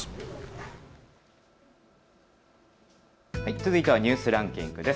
続いてはニュースランキングです。